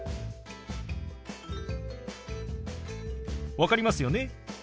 分かりますよね？